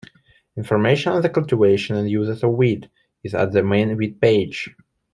Information on the cultivation and uses of wheat is at the main wheat page.